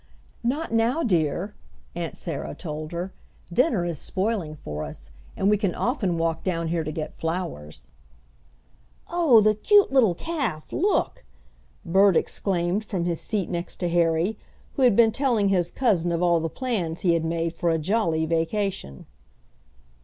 "Not now, dear," Aunt Sarah told her. "Dinner is spoiling for us, and we can often walk down here to get flowers." "Oh, the cute little calf! Look!" Bert exclaimed from his seat next to Harry, who had been telling his cousin of all the plans he had made for a jolly vacation.